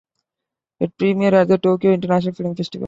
It premiered at the Tokyo International Film Festival.